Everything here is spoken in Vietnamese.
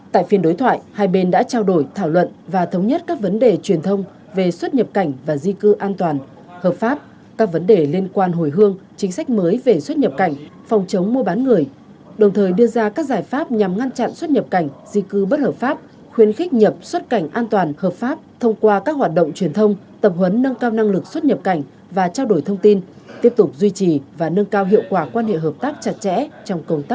tại phiên đối thoại hai bên đã trao đổi thảo luận và thống nhất các vấn đề truyền thông về xuất nhập cảnh và di cư an toàn hợp pháp các vấn đề liên quan hồi hương chính sách mới về xuất nhập cảnh phòng chống mua bán người đồng thời đưa ra các giải pháp nhằm ngăn chặn xuất nhập cảnh di cư bất hợp pháp khuyên khích nhập xuất cảnh an toàn hợp pháp thông qua các hoạt động truyền thông tập huấn nâng cao năng lực xuất nhập cảnh và trao đổi thông tin tiếp tục duy trì và nâng cao hiệu quả quan hệ hợp tác chặt chẽ trong công tá